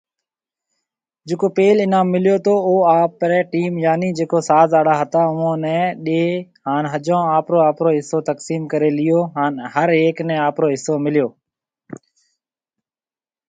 جڪو پيل انعام مليو تو اوئي آپري ٽيم يعني جڪو ساز آڙا هتا اوئون ني ڏيني هان ۿجون آپرو آپرو حصو تقسيم ڪري ليئو هان هر هيڪ ني آپرو حصو مليو۔